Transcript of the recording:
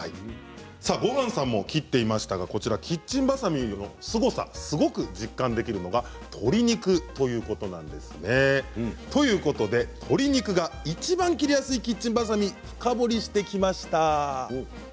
ごはんさんも切っていましたがキッチンバサミのすごさすごく実感できるのが鶏肉ということなんですね。ということで鶏肉がいちばん切りやすいキッチンバサミ深掘りしてきました。